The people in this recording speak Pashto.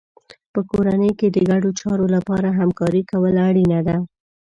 په کورنۍ کې د ګډو چارو لپاره همکاري کول اړینه ده.